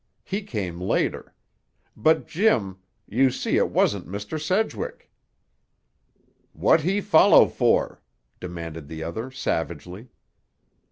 He came later. But, Jim, you see it wasn't Mr. Sedgwick." "What he follow for?" demanded the other savagely.